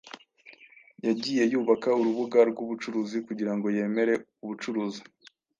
yagiye yubaka urubuga rwubucuruzi kugirango yemere ubucuruzi